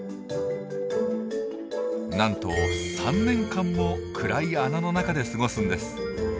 なんと３年間も暗い穴の中で過ごすんです。